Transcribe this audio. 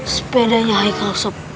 sepedanya heike sob